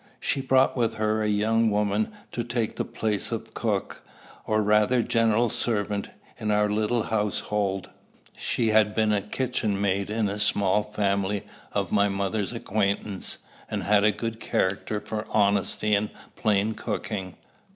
She brought with her a young woman to take the place of cook, or rather general servant, in our little household. She had been kitchen maid in a small family of my mother's acquaintance, and had a good character for honesty and plain cooking.